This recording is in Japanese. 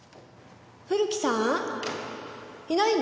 古木さん？いないの？